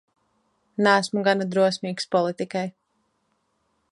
Neesmu gana drosmīgs politikai.